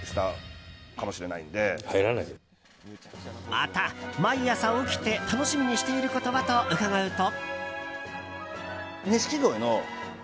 また、毎朝起きて楽しみにしていることは？と伺うと。